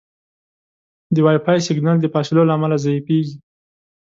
د وائی فای سګنل د فاصلو له امله ضعیفېږي.